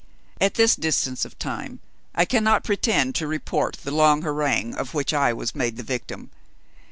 At this distance of time, I cannot pretend to report the long harangue of which I was made the victim.